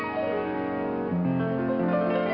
สวัสดีครับ